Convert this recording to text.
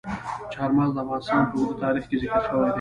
چار مغز د افغانستان په اوږده تاریخ کې ذکر شوي دي.